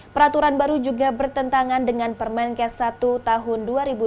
peraturan baru juga bertentangan dengan permen ks satu tahun dua ribu dua belas